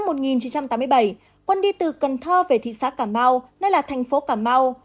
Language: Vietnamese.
quân đi từ cần thơ về thị xã cà mau nơi là thành phố cà mau